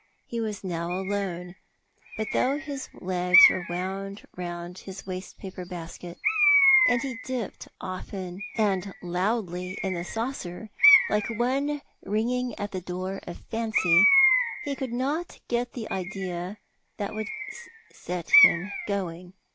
He was now alone. But though his legs were wound round his waste paper basket, and he dipped often and loudly in the saucer, like one ringing at the door of Fancy, he could not get the idea that would set him going.